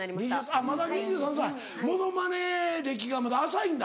あっまだ２３歳モノマネ歴がまだ浅いんだ。